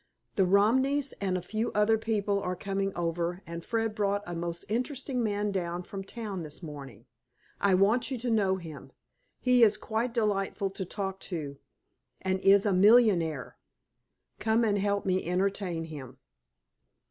The Romneys and a few other people are coming over, and Fred brought a most interesting man down from town this morning. I want you to know him. He is quite delightful to talk to, and is a millionaire! Come and help me entertain him.